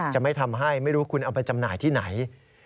จะไม่ทำให้ไม่รู้คุณเอาไปจำหน่ายที่ไหน